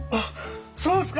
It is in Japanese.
そうですか！